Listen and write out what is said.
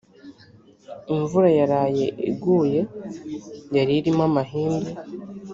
imvura yaraye iguye yaririmo amahindu